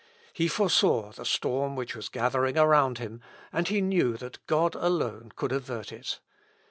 He foresaw the storm which was gathering around him, and he knew that God alone could avert it.